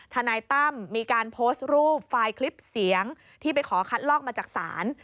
ทนายตั้มมีการโพสต์รูปไฟล์คลิปเสียงที่ไปขอคัดลอกมาจากศาล